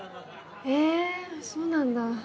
えそうなんだ。